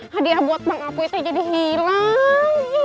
hadiah buat bang apu itu jadi hilang